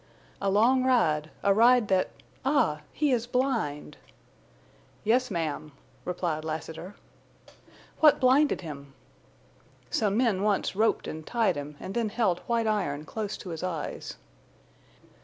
"A long ride—a ride that—Ah, he is blind!" "Yes, ma'am," replied Lassiter. "What blinded him?" "Some men once roped an' tied him, an' then held white iron close to his eyes."